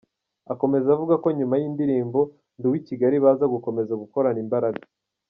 Akomeza avuga ko nyuma y’indirimbo ‘Ndi uw’i Kigali” baza gukomeza gukorana imbaraga.